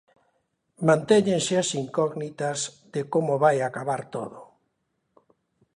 Mantéñense as incógnitas de como vai acabar todo.